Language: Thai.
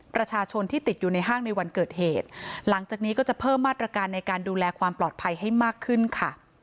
ประชาชนที่ติดอยู่ในห้างในวันเกิดเหตุหลังจากนี้ก็จะเพิ่มมาตรการในการดูแลความปลอดภัยให้มากขึ้นค่ะ